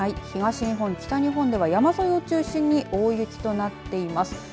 東日本、北日本では山沿いを中心に大雪となっています。